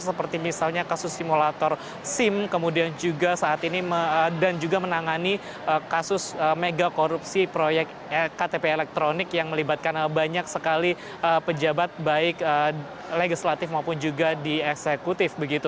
seperti misalnya kasus simulator sim kemudian juga saat ini dan juga menangani kasus mega korupsi proyek ktp elektronik yang melibatkan banyak sekali pejabat baik legislatif maupun juga di eksekutif